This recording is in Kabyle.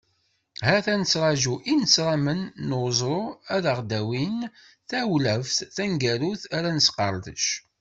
Ha-t-a nettraǧu inesramen n uẓru, ad aɣ-d-awin tawleft taneggarut ara nesqerdec.